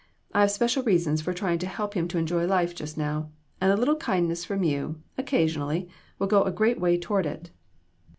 I have special reasons for trying to help him to enjoy life just now; and a little kind ness from you, occasionally, will go a great way toward it."